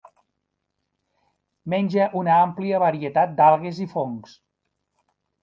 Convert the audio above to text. Menja una àmplia varietat d'algues i fongs.